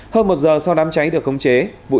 hơn một giờ sau đám cháy được khống chế